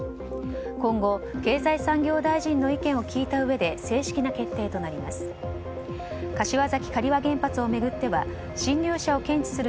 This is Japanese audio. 今後、経済産業大臣の意見を聞いたうえで正式な決定となります。